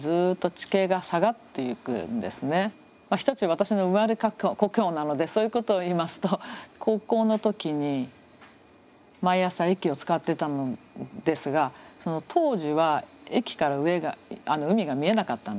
私の生まれ故郷なのでそういうことを言いますと高校の時に毎朝駅を使ってたのですが当時は駅から上が海が見えなかったんですね。